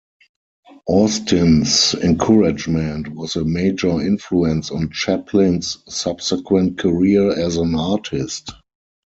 Austin's encouragement was a major influence on Chaplin's subsequent career as an artist.